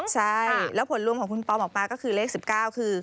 ใช่แล้วผลรวมของคุณปอมออกมาก็คือเลข๑๙คือ